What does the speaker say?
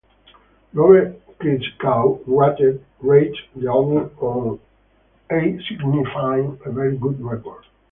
Robert Christgau rated the album an A-, signifying a very good record.